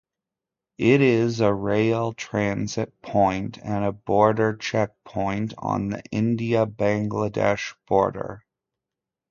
It is a rail transit point and a border checkpoint on the India-Bangladesh border.